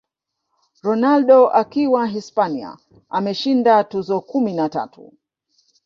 Ronaldo akiwa Hispania ameshinda tuzo kumi na tatu